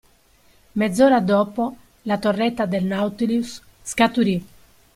Mezz'ora dopo, la torretta del Nautilus scaturì.